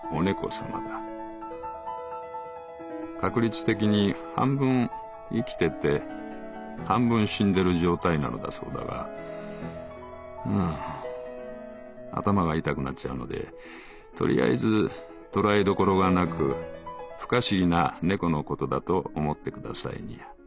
『確率的に半分生きてて半分死んでる状態』なのだそうだがうーん頭が痛くなっちゃうのでとりあえずとらえどころがなく不可思議な猫のことだと思ってくださいにゃ」。